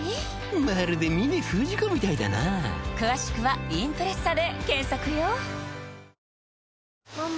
まるで峰不二子みたいだな詳しくは「インプレッサ」で検索よ！